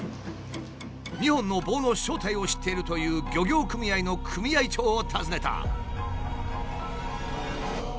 ２本の棒の正体を知っているという漁業組合の組合長を訪ねた。